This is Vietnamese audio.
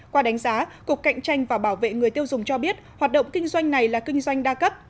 qua đánh giá cục cạnh tranh và bảo vệ người tiêu dùng cho biết hoạt động kinh doanh này là kinh doanh đa cấp